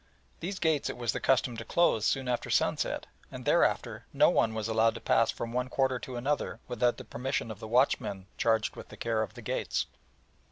These gates it was the custom to close soon after sunset, and thereafter no one was allowed to pass from one quarter to another without the permission of the watchmen charged with the care of the gates.